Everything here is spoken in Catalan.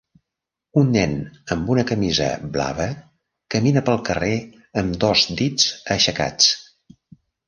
Un nen amb una camisa blava camina pel carrer amb dos dits aixecats.